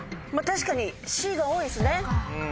確かにＣが多いですね。